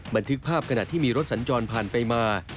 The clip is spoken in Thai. บันทึกภาพขณะที่มีรถสัญจรผ่านไปมา